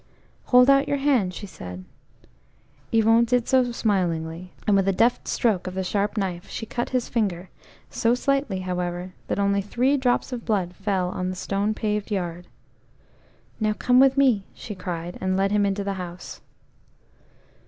OLD out your hand," she said. Yvon did so smilingly, and with a deft stroke of the sharp knife she cut his finger, so slightly, however, that only three drops of blood fell on the stone paved yard. "Now come with me," she cried, and led him into the house.